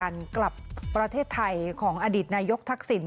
กลับประเทศไทยของอดีตนายกทักษิณ